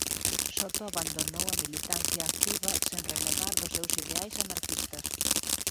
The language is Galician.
Soto abandonou a militancia activa sen renegar dos seus ideais anarquistas.